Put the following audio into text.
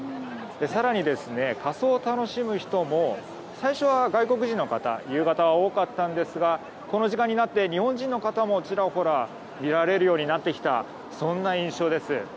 更に、仮装を楽しむ人も最初は外国人の方夕方は多かったんですがこの時間になって日本人の方も、ちらほら見られるようになってきた印象です。